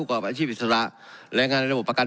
รอบที่ถอย๔๐๓๗ล้านคน